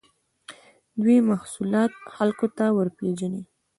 دوی محصولات خلکو ته ورپېژني.